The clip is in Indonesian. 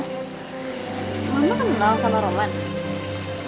lu belum pernah nol sama roman